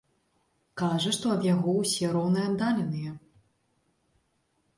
Кажа, што ад яго ўсе роўнааддаленыя.